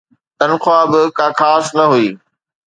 تنخواه به ڪا خاص نه هئي.